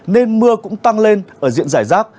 nên mưa cũng tăng lên ở diện giải rác